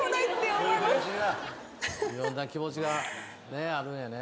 いろんな気持ちがねあるんやね。